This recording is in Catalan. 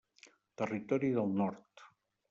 Territori del Nord.